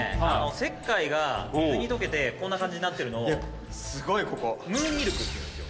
石灰が水に溶けてこんな感じになってるのをムーンミルクっていうんですよ。